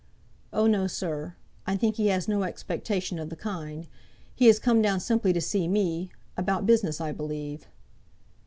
"Oh, no, sir. I think he has no expectation of the kind. He has come down simply to see me; about business I believe."